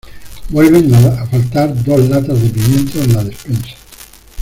vuelven a faltar dos latas de pimientos en la despensa.